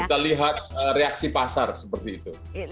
kita lihat reaksi pasar seperti itu